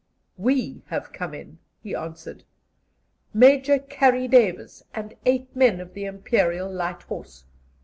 "We have come in," he answered "Major Karri Davis and eight men of the Imperial Light Horse."